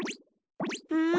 うん？